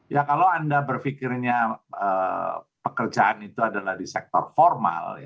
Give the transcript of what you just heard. ya kalau anda berpikirnya pekerjaan itu adalah di sektor formal